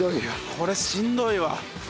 これしんどいわ。